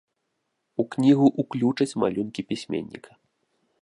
У кнігу ўключаць малюнкі пісьменніка.